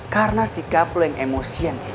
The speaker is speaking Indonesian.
karena sikap lo yang emosian kayak gini